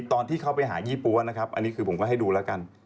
ตอนที่เขาไปหายี่ปัวนะครับ